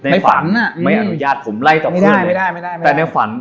ไม่ฝันไม่อนุญาตผมไล่ต่อขึ้นไม่ได้ไม่ได้ไม่ได้แต่ในฝัน